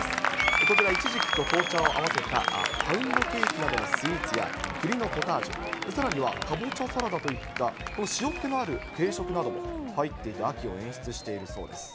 こちら、イチジクと紅茶を合わせたパウンドケーキなどのスイーツやくりのポタージュ、さらにはかぼちゃサラダといって塩っけのある定食なども入っていて、秋を演出しているそうです。